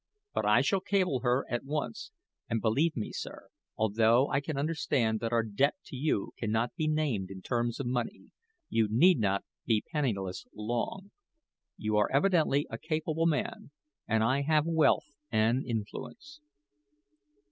But I shall cable her at once; and, believe me, sir, although I can understand that our debt to you cannot be named in terms of money, you need not be penniless long. You are evidently a capable man, and I have wealth and influence."